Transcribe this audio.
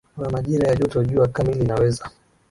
wa majira ya joto jua kamili inaweza